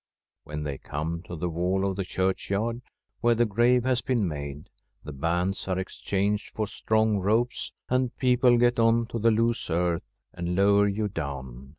When they come to the wall of the churchyard, where the grave has been made, the bands are exchanged lor strong ropes, and people get on to the loose earth and lower vou down.